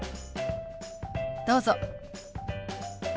どうぞ。